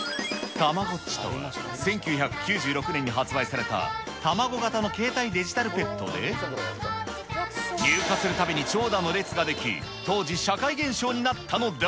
たまごっちとは１９９６年に発売されたたまご型の携帯デジタルペットで、入荷するたびに長蛇の列が出来、当時、社会現象になったのだ。